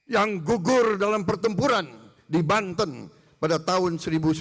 yang gugur dalam pertempuran di banten pada tahun seribu sembilan ratus sembilan puluh